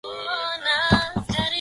eza kusikiliza dhamana hiyo